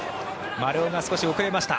丸尾が少し遅れました。